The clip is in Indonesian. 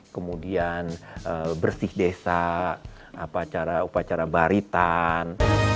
kemudian bersih desa upacara baritan